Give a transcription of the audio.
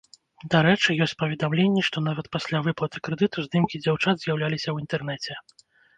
Дарэчы, ёсць паведамленні, што нават пасля выплаты крэдыту здымкі дзяўчат з'яўляліся ў інтэрнэце.